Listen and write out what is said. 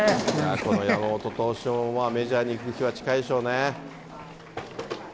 この山本投手も、メジャーに行く日は近いでしょうね。